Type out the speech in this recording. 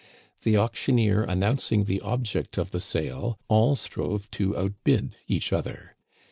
The auctioneer announcing the object of the * sale, all strove to outbid each other.